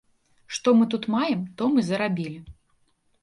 Што мы тут маем, то мы зарабілі.